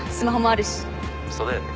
そうだよね。